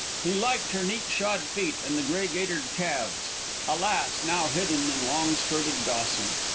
He liked her neat shod feet and the gray gaitered calves, alas, now hidden in long skirted Dawson.